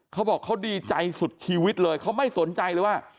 เขาบอกเขาดีใจสุดชีวิตเลยเขาไม่สนใจเลยว่า